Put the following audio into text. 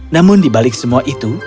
namun di balik semua itu